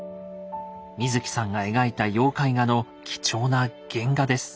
水木さんが描いた妖怪画の貴重な原画です。